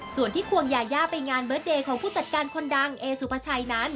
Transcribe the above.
ส่วนที่ควงยายาไปงานเบิร์ดเดย์ของผู้จัดการคนดังเอสุภาชัยนั้น